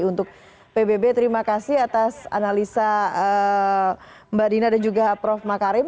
untuk pbb terima kasih atas analisa mbak dina dan juga prof makarim